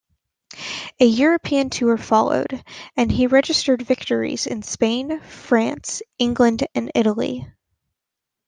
A European tour followed, and he registered victories in Spain, France, England, and Italy.